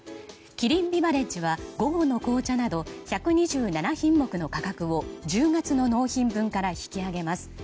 キリンビバレッジは午後の紅茶など１２７品目の価格を１０月の納品分から引き上げます。